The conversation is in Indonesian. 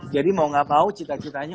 jadi mau nggak tahu cita citanya